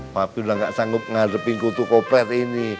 papi udah gak sanggup ngadepin kutu kopret ini